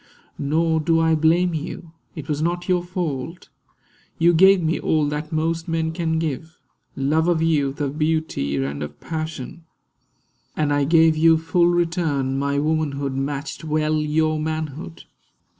Nor do I blame you; it was not your fault: You gave me all that most men can give—love Of youth, of beauty, and of passion; and I gave you full return; my womanhood Matched well your manhood.